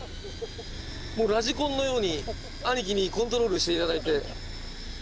もうラジコンのように兄貴にコントロールして頂いて。